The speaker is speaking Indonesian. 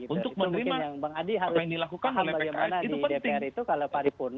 untuk menerima apa yang dilakukan oleh pks itu penting